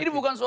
ini bukan soal